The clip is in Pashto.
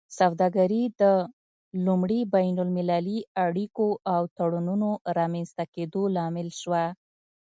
سوداګري د لومړي بین المللي اړیکو او تړونونو رامینځته کیدو لامل شوه